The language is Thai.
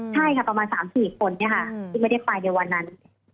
ใช่ค่ะประมาณ๓๔คนค่ะที่ไม่ได้ไปเดี๋ยววันนั้น